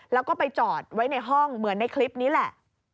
แล้วก็ไปจอดไว้ในห้องเหมือนในคลิปนี้แหละ